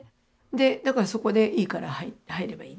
だからそこでいいから入ればいい。